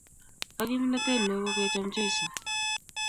Ak Kimnatet ne o ko kecham cheiso